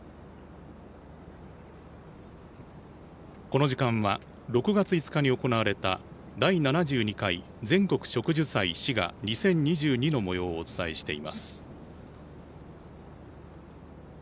この時間は６月５日に行われた第７２回全国植樹祭しが２０２２の模様をお伝えしています。